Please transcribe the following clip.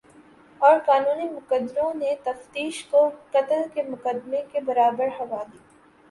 اور قانونی مقتدروں نے تفتیش کو قتل کے مقدمے کے برابر ہوا دی